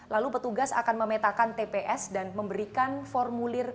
lalu petugas akan memetakan tps dan memberikan formulir